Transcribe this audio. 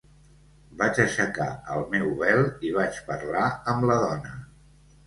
Vaig aixecar el meu vel i vaig parlar amb la dona.